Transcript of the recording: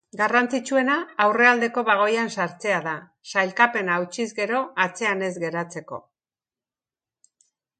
Garrantzitsuena aurrealdeko bagoian sartzea da, sailkapena hautsiz gero atzean ez geratzeko.